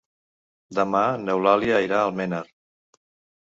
Demà n'Eulàlia irà a Almenar.